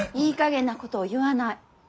いいかげんなことを言わない。